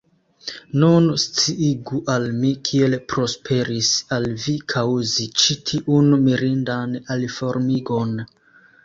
Nun sciigu al mi, kiel prosperis al vi kaŭzi ĉi tiun mirindan aliformigon.